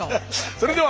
それでは！